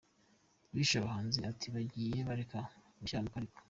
– Bishe abahanzi uti “bagiye bareka gushyanuka ariko”